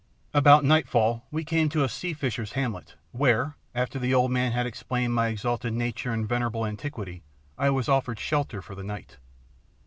About nightfall we came to a sea fishers' hamlet, where, after the old man had explained my exalted nature and venerable antiquity, I was offered shelter for the night.